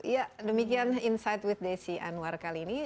ya demikian insight with desi anwar kali ini